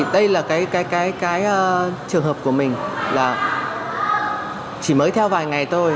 đây là cái trường hợp của mình là chỉ mới theo vài ngày thôi